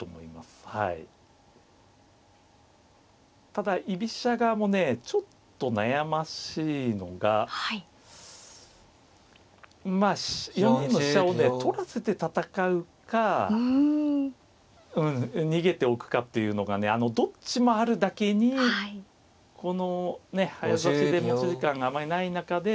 ただ居飛車側もねちょっと悩ましいのがまあ４二の飛車をね取らせて戦うか逃げておくかっていうのがねどっちもあるだけにこのね早指しで持ち時間があまりない中で。